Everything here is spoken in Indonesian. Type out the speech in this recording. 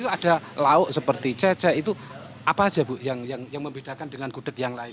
ada lauk seperti cecek itu apa aja bu yang membedakan dengan gudeg yang lain